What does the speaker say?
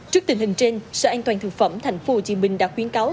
trước tình hình trên sở an toàn thực phẩm tp hcm đã khuyến cáo